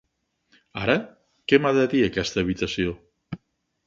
Ara, què m'ha de dir aquesta habitació?